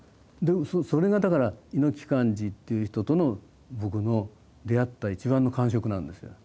それがだから猪木寛至っていう人とのぼくの出会った一番の感触なんですよ。